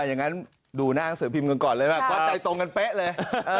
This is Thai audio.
อย่างนั้นดูหน้าเสื้อพิมพ์ก่อนเลยนะฮะก็ใจตรงกันเป๊ะเลย